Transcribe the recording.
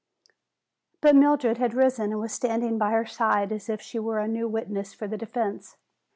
But Mildred had risen and was standing by her side as if she were a new witness for the defense.